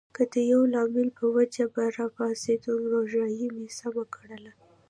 که د یوه لامل په وجه به راپاڅېدم، روژایې مې سمه کړله.